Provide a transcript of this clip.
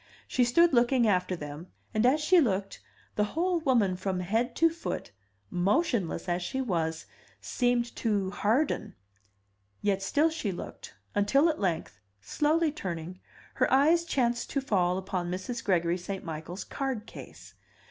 She stood looking after them, and as she looked, the whole woman from head to foot, motionless as she was, seemed to harden. Yet still she looked, until at length, slowly turning, her eyes chanced to fall upon Mrs. Gregory St. Michael's card case.